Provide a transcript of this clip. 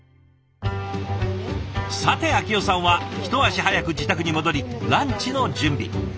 さて明代さんは一足早く自宅に戻りランチの準備。